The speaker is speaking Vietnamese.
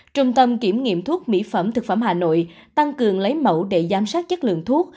trung tâm kiểm nghiệm thuốc mỹ phẩm thực phẩm hà nội tăng cường lấy mẫu để giám sát chất lượng thuốc